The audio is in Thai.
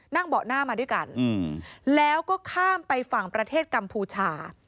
เบาะหน้ามาด้วยกันแล้วก็ข้ามไปฝั่งประเทศกัมพูชา